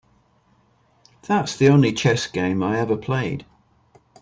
That's the only chess game I ever played.